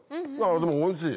でもおいしい。